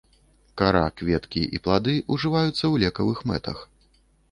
Кара, кветкі і плады ўжываюцца ў лекавых мэтах.